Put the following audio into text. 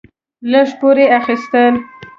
لږ پور اخيستل: